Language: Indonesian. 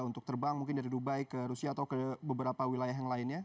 untuk terbang mungkin dari dubai ke rusia atau ke beberapa wilayah yang lainnya